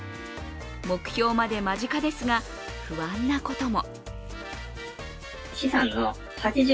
目標まで間近ですが、不安なことも。